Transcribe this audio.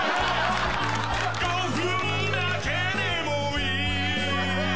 ５分だけでもいい